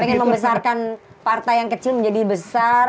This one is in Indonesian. pengen membesarkan partai yang kecil menjadi besar